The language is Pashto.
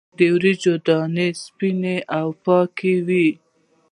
د وریجو دانه سپینه او پاکه وي.